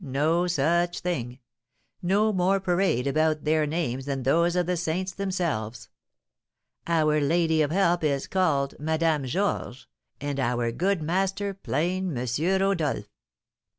no such thing; no more parade about their names than those of the saints themselves. 'Our Lady of Help' is called Madame Georges, and our good master plain M. Rodolph."